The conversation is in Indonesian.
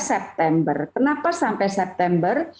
september kenapa sampai september